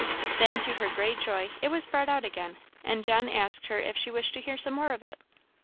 Then, to her great joy, it was brought out again, and John asked her if she wished to hear some more of it.